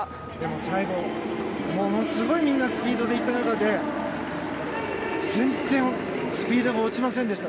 最後、ものすごいスピードで行っている中で全然スピードが落ちませんでした。